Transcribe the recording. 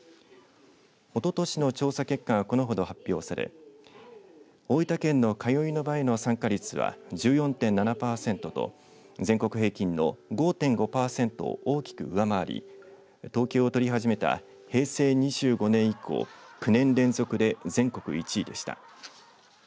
おととしの調査結果がこのほど発表され大分県の通いの場への参加率は１４．７パーセントと全国平均の５．５パーセントを大きく上回り統計を取り始めた平成２５年以降９年連続で全国１位でした。